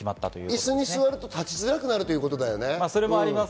イスにすると立ちづらくなるということだね。